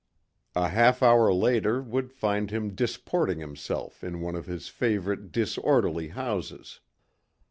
A half hour later would find him disporting himself in one of his favorite disorderly houses.